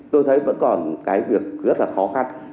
tôi thấy vẫn còn cái việc rất là khó khăn